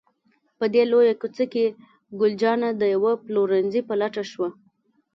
په دې لویه کوڅه کې، ګل جانه د یوه پلورنځي په لټه شوه.